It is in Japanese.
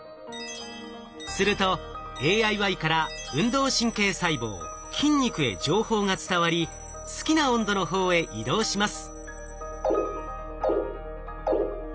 するとＡＩＹから運動神経細胞筋肉へ情報が伝わり好きな温度の方へ移動します。